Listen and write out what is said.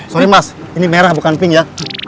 sorry mas ini merah bukan pink ya